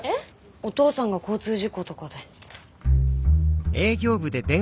お父さんが交通事故とかで。